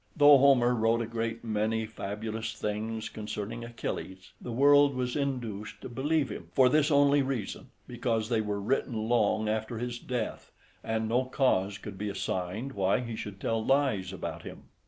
Though Homer wrote a great many fabulous things concerning Achilles, the world was induced to believe him, for this only reason, because they were written long after his death, and no cause could be assigned why he should tell lies about him.